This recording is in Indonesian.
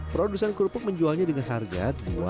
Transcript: produsen kerupuk menjualnya dengan harga